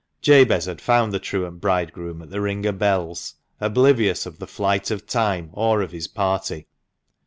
Jabez had found the truant bridegroom at the " Ring o' Bells," oblivious of the flight of time, or of his party.